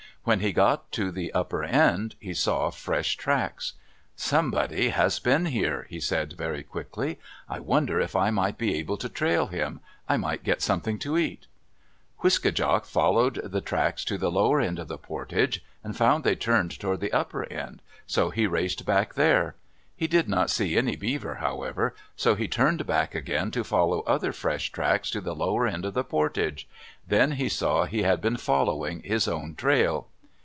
When he got to the upper end, he saw fresh tracks. "Somebody has been here," he said very quickly. "I wonder if I might be able to trail him? I might get something to eat." Wiske djak followed the tracks to the lower end of the portage, and found they turned toward the upper end, so he raced back there. He did not see any beaver, however, so he turned back again to follow other fresh tracks to the lower end of the portage. Then he saw he had been following his own trail.